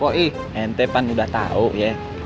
bo i ente pan udah tahu ya